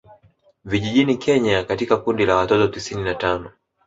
Vijijini Kenya katika kundi la watoto tisini na tano